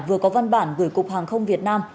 vừa có văn bản gửi cục hàng không việt nam